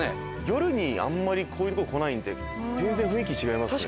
夜にあんまりこういうとこ来ないんで全然雰囲気違いますね。